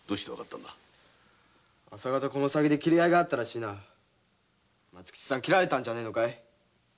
朝方切り合いがあったらしいな松吉さん切られたんじゃねぇの。